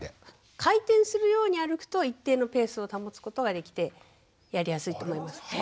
回転するように歩くと一定のペースを保つことができてやりやすいと思います。